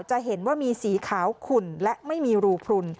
จะเห็นว่ามีสีขาวขุ่นและไม่มีรูพลุน